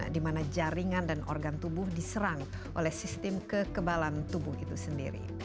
di mana jaringan dan organ tubuh diserang oleh sistem kekebalan tubuh itu sendiri